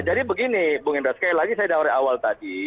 jadi begini bung indra sekali lagi saya dari awal tadi